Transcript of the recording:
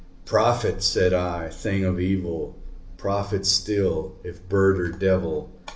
"Prophet!" said I, "thing of evil! prophet still, if bird or devil!